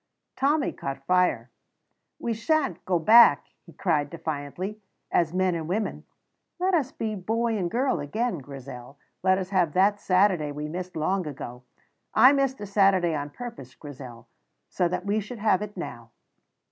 Tommy caught fire. "We sha'n't go back," he cried defiantly, "as men and women. Let us be boy and girl again, Grizel. Let us have that Saturday we missed long ago. I missed a Saturday on purpose, Grizel, so that we should have it now."